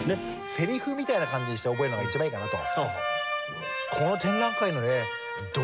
セリフみたいな感じにして覚えるのが一番いいかなと。